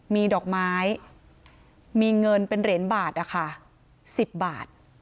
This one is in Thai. มีดอกไม้มีเงินเป็นเหรียญบาทนะคะ๑๐บาท